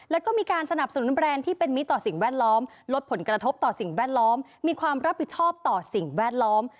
แล้วก็มีการสนับสนุนแบรนด์ที่เป็นมิตรต่อสิ่งแวดล้อมลดผลกระทบต่อสิ่งแวดล้อมมีความรับผิดชอบต่อสิ่งแวดล้อม